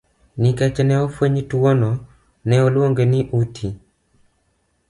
Nikech ne ofweny tuwono ne oluonge ni uti.